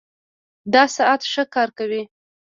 دا ساعت ښه کار کوي